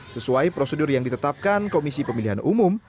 sesuai prosedur yang ditetapkan komisi pemilihan umum